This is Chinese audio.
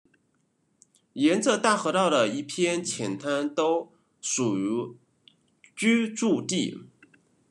沿着大河道的一片浅滩都属于居住地。